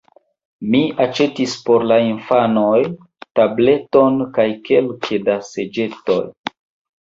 Mi aĉetis por la infanoj tableton kaj kelke da seĝetoj.